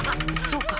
そうか。